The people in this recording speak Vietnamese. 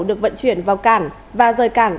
được vận chuyển vào cảng và rời cảng